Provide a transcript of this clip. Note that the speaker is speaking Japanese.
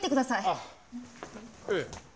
あっええ。